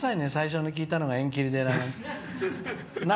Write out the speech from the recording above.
最初に聴いたのが「縁切寺」で。